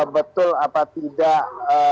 betul atau tidak